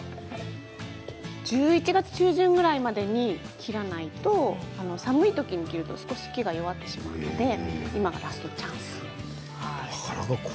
１１月中旬ぐらいまでに切らないと寒い時に切ってしまうと木が弱ってしまいますので今が、まさにチャンスです。